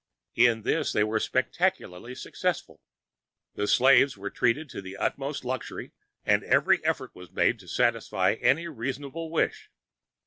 In this, they were spectacularly successful. The "slaves" were treated to the utmost luxury and every effort was made to satisfy any reasonable wish.